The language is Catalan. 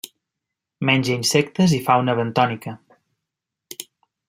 Menja insectes i fauna bentònica.